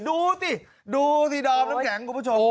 ดูสิดูสิดอมน้ำแข็งคุณผู้ชม